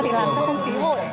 thì làm cho không khí hội